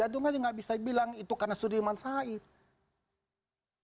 jawa tengah sih enggak bisa dibilang itu karena sudirman said